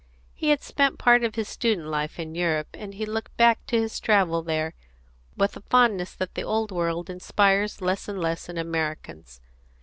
He had spent part of his student life in Europe, and he looked back to his travel there with a fondness that the Old World inspires less and less in Americans.